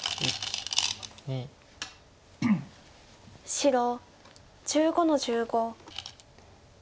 白１５の十五。